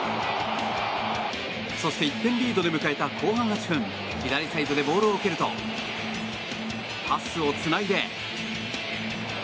そして、１点リードで迎えた後半８分左サイドでボールを受けるとパスをつないで。